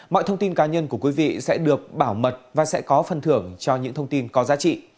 mọi thông tin cá nhân của quý vị sẽ được bảo mật và sẽ có phần thưởng cho những thông tin có giá trị